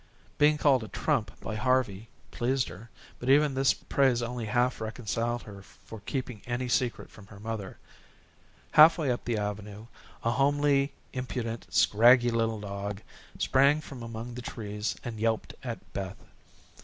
Being called a trump by Harvey pleased her, but even this praise only half reconciled her for keeping any secret from her mother. Halfway up the avenue, a homely, impudent, scraggy little dog, sprang from among the trees and yelped at Beth.